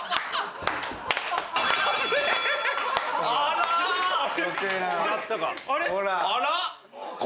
あら？